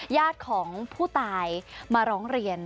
ญาติของผู้ตายมาร้องเรียน